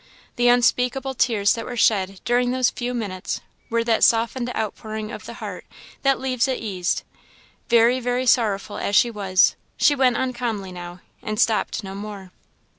The unspeakable tears that were shed during those few minutes were that softened out pouring of the heart that leaves it eased. Very, very sorrowful as she was, she went on calmly now, and stopped no more.